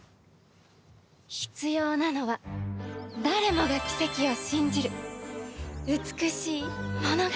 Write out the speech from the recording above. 必要なのは誰もが奇跡を信じる美しい物語。